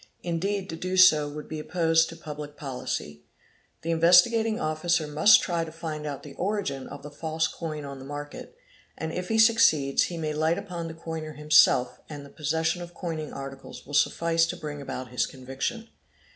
Indeed to do so would be opposed to public policy. The Investi gating Officer must try to find out the origin of false coin on the market a pal) | A PAE AAD SAB ly SAID FAN A NA bE LAD eR Fig. 149. ind if he succeeds he may light upon the coiner himself and the possession of coining articles will suftice to bring about his conviction.